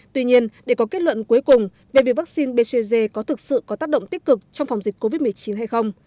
tuy nhiên để có kết luận cuối cùng về việc vaccine bcg có thực sự có tác động tích cực trong phòng dịch covid một mươi chín hay không